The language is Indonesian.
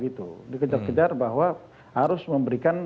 itu dikejar kejar bahwa harus memberikan